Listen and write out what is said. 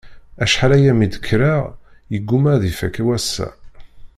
Acḥal-aya mi d-kkreɣ, yegguma ad ifakk wassa.